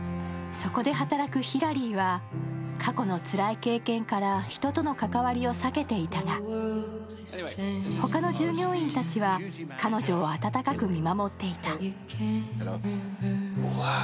そこで働くヒラリーは過去のつらい経験から人との関わりを避けていたが他の従業員たちは彼女を温かく見守っていた。